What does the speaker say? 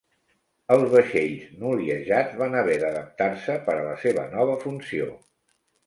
Els vaixells noliejats van haver d'adaptar-se per la seva nova funció.